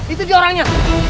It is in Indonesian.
itu dia orangnya